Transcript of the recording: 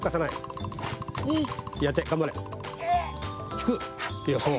ひく。